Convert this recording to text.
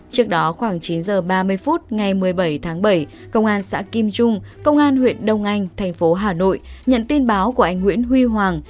trước đó khoảng chín h ba mươi phút ngày một mươi bảy tháng bảy công an xã kim trung công an huyện đông anh thành phố hà nội nhận tin báo của anh nguyễn huy hoàng